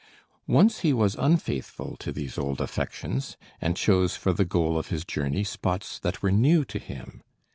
Once he was unfaithful to these old affections, and chose for the goal of his journey spots that were new to him.